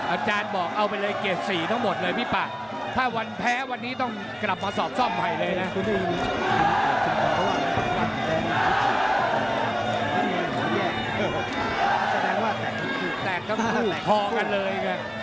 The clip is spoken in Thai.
อาจารย์บอกเอาไปเลยเกรด๔ทั้งหมดเลยพี่ปะถ้าวันแพ้วันนี้ต้องกลับมาสอบซ่อมใหม่เลยนะ